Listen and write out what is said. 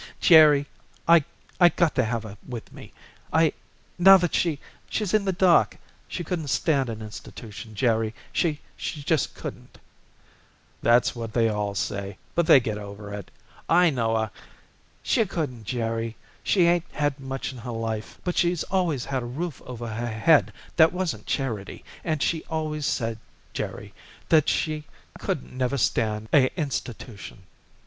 "Jerry, I I gotta have her with me. I Now that she she's in the dark. She couldn't stand an institution, Jerry, she she just couldn't." "That's what they all say, but they get over it. I know a " "She couldn't, Jerry. She 'ain't had much in her life, but she's always had a roof over her head that wasn't charity, and she always said, Jerry, that she couldn't never stand a a institution.